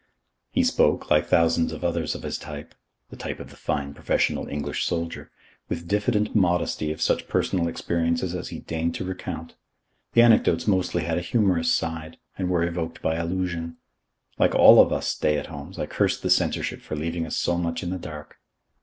He spoke, like thousands of others of his type the type of the fine professional English soldier with diffident modesty of such personal experiences as he deigned to recount. The anecdotes mostly had a humorous side, and were evoked by allusion. Like all of us stay at homes, I cursed the censorship for leaving us so much in the dark.